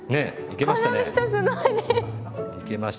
いけましたね。